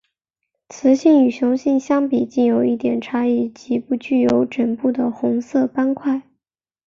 雌性与雄性相比近有一点差别即不具有枕部的红色斑块。